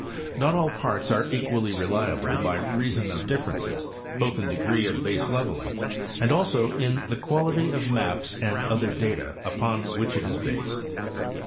Not all parts are equally reliable by reason of differences both in degree of baseleveiing and also in the quality of maps and other data upon which it is based.